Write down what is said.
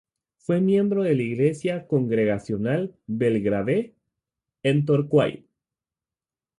Fue miembro de la Iglesia congregacional Belgrave, en Torquay.